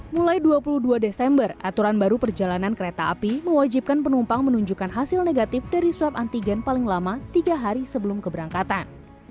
mulai dua puluh dua desember aturan baru perjalanan kereta api mewajibkan penumpang menunjukkan hasil negatif dari swab antigen paling lama tiga hari sebelum keberangkatan